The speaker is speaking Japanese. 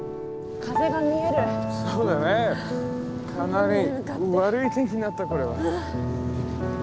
かなり悪い天気になったこれは。